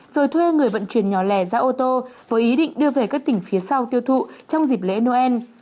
rồi thuê người vận chuyển nhỏ lẻ ra ô tô với ý định đưa về các tỉnh phía sau tiêu thụ trong dịp lễ noel